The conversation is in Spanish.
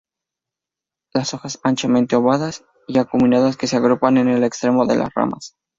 Las hojas anchamente ovadas y acuminadas se agrupan en el extremo de las ramas.